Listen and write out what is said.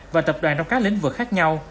và tập đoàn trong các lĩnh vực khác nhau